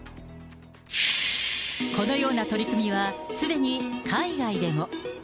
このような取り組みはすでに海外でも。